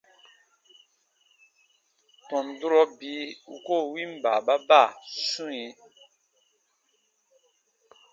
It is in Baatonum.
Tɔn durɔ bii u koo win baababa swĩ.